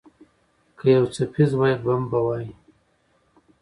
که یو څپیز وای، بم به وای.